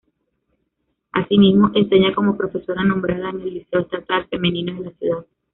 Asimismo enseña como profesora nombrada en el Liceo Estatal Femenino de la ciudad.